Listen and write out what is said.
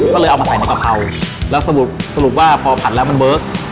ก็เลยเอามาใส่น้ำกะเพราแล้วสรุปสรุปว่าพอผัดแล้วมันเบิร์ก